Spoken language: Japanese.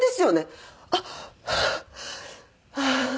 あっはあ。